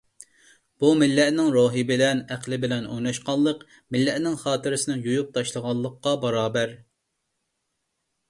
بۇ مىللەتنىڭ روھى بىلەن، ئەقلى بىلەن ئويناشقانلىق، مىللەتنىڭ خاتىرىسىنى يۇيۇپ تاشلىغانلىققا باراۋەر.